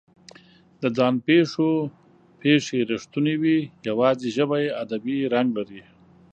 د ځان پېښو پېښې رښتونې وي، یواځې ژبه یې ادبي رنګ لري.